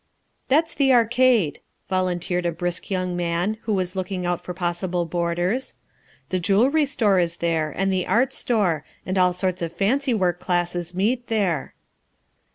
"That's the arcade," volunteered a brisk young man who was looking out for possible boarders. "The jewelry store is there, and the art store; and all sorts of fancy work classes meet there."